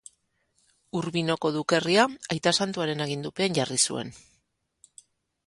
Urbinoko dukerria Aita Santuen agindupean jarri zuen.